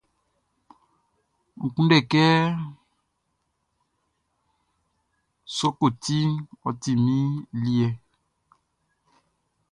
N kunndɛ sɔkɔti, ɔ ti min liɛ!